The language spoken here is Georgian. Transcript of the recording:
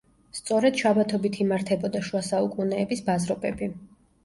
სწორედ შაბათობით იმართებოდა შუა საუკუნეების ბაზრობები.